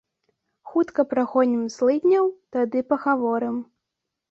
Хутка прагонім злыдняў, тады пагаворым.